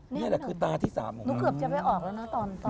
นี่แหละคือตาที่๓ของเขา